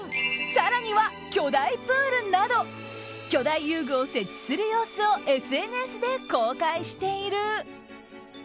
更には巨大プールなど巨大遊具を設置する様子をＳＮＳで公開している。